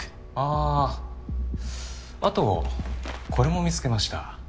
ああとこれも見つけました。